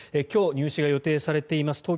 今日、入試が予定されています